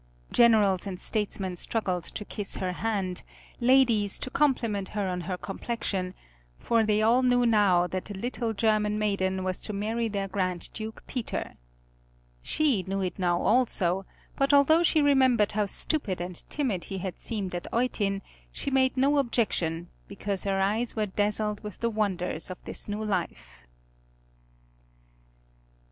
Generals and statesmen struggled to kiss her hand, ladies to compliment her on her complexion, for they all knew now that the little German maiden was to marry their Grand Duke Peter. She knew it now also, but although she remembered how stupid and timid he had seemed at Eutin, she made no objection, because her eyes were dazzled with the wonders of this new life.